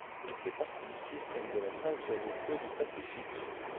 Elle fait partie du système de la ceinture de feu du Pacifique.